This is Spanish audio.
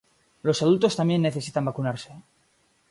Los adultos también necesitan vacunarse